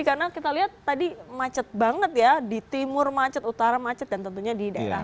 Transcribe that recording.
karena kita lihat tadi macet banget ya di timur macet utara macet dan tentunya di daerah bekasi